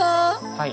はい。